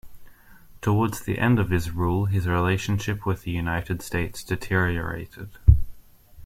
Towards the end of his rule, his relationship with the United States deteriorated.